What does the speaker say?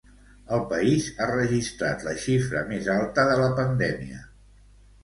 El país ha registrat la xifra més alta de la pandèmia.